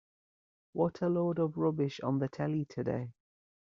What a load of rubbish on the telly today.